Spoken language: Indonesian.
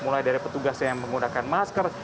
mulai dari petugas yang menggunakan masker